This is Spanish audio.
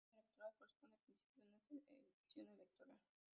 Cada mesa electoral corresponde, en principio, a una sección electoral.